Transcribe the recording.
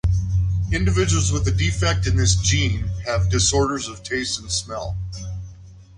Individuals with a defect in this gene have disorders of taste and smell.